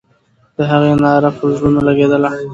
د هغې ناره پر زړونو لګېدله.